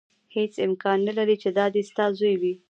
هېڅ امکان نه لري چې دا دې ستا زوی وي.